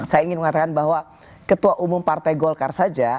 saya ingin mengatakan bahwa ketua umum partai golkar saja